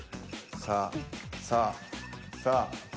さあさあさあ。